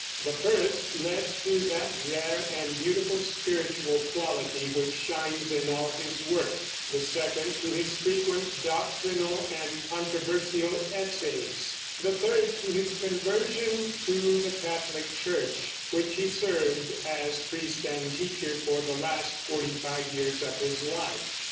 The first led to that rare and beautiful spiritual quality which shines in all his work; the second to his frequent doctrinal and controversial essays; the third to his conversion to the Catholic church, which he served as priest and teacher for the last forty five years of his life.